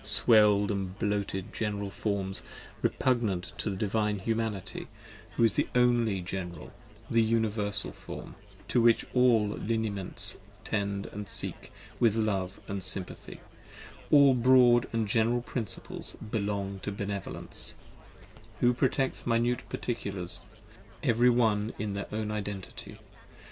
Swell'd & bloated General Forms, repugnant to the Divine 20 Humanity, who is the Only General and Universal Form, To which all Lineaments tend & seek with love & sympathy, All broad & general principles belong to benevolence, Who protects minute particulars, every one in their own identity.